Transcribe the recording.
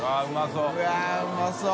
△うまそう。